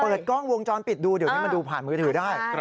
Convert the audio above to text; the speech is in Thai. เปิดกล้องวงจรปิดดูเดี๋ยวนี้มันดูผ่านมือถือได้